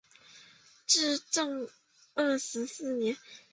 至正二十四年。